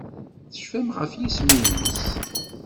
Tecfam ɣef yisem-nnes?